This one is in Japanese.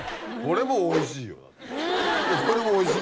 これもおいしいでしょ。